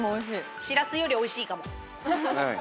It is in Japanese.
シラスよりおいしいかも。